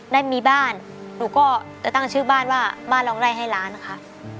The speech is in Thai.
ได้มีบ้านหนูก็จะตั้งชื่อบ้านว่าบ้านร้องได้ให้ล้านค่ะ